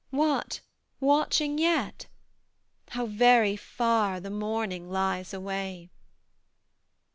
What, watching yet! how very far The morning lies away!